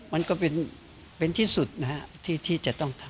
มันก็เป็นที่สุดนะฮะที่จะต้องทำ